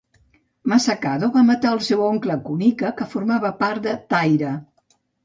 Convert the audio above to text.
Masakado va matar al seu oncle Kunika que formava part de Taira.